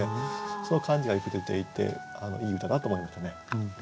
その感じがよく出ていていい歌だと思いましたね。